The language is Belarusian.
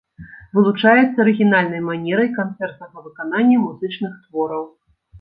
Вылучаецца арыгінальнай манерай канцэртнага выканання музычных твораў.